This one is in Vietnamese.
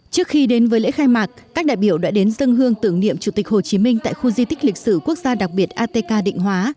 trước khi đến với lễ khai mạc các đại biểu đã đến dân hương tưởng niệm chủ tịch hồ chí minh tại khu di tích lịch sử quốc gia đặc biệt atk định hóa